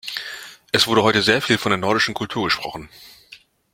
Es wurde heute sehr viel von der nordischen Kultur gesprochen.